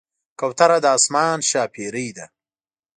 کوتره د آسمان ښاپېرۍ ده.